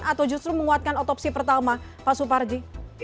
atau justru menguatkan otopsi pertama pak suparji